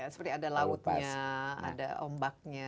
seperti ada lautnya ada ombaknya